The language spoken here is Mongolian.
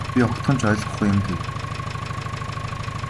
Би огтхон ч ойлгохгүй юм гэв.